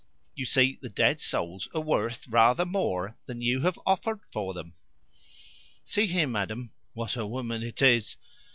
You see, the dead souls are worth rather more than you have offered for them." "See here, madam. (What a woman it is!)